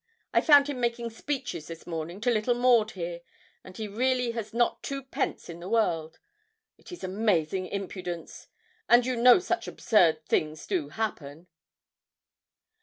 I found him making speeches, this morning, to little Maud here; and he really has not two pence in the world it is amazing impudence and you know such absurd things do happen.'